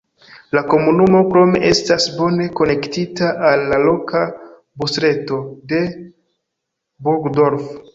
La komunumo krome estas bone konektita al la loka busreto de Burgdorf.